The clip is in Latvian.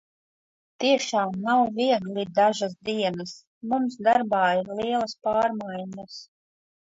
Tiešām nav viegli dažas dienas. Mums darbā ir lielas pārmaiņas.